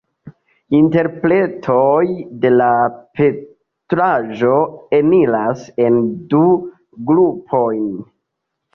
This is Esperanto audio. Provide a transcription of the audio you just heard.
Interpretoj de la pentraĵo eniras en du grupojn.